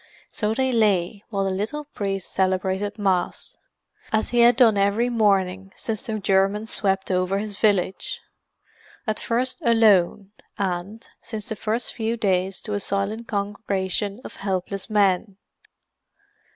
So they lay while the little priest celebrated Mass, as he had done every morning since the Germans swept over his village: at first alone, and, since the first few days to a silent congregation of helpless men.